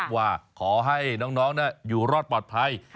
ว่าขอให้น้องอยู่รอดปลอดภัย